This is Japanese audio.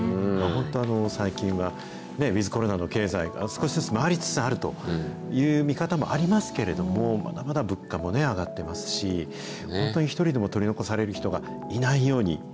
本当、最近はウィズコロナの経済が少しずつ回りつつあるという見方もありますけれども、まだまだ物価も上がってますし、本当に１人でも取り残される人がいないように、